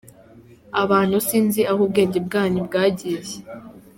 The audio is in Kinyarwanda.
Abantu sinzi aho ubwenge bwanyu bwagiye.